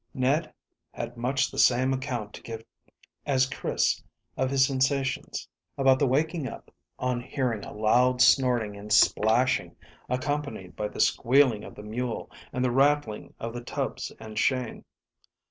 Ned had much the same account to give as Chris of his sensations about the waking up on hearing a loud snorting and splashing, accompanied by the squealing of the mule and the rattling of the tubs and chain.